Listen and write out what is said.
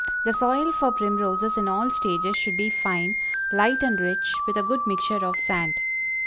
The soil for Primroses in all stages should be fine, light and rich, with a good mixture of sand.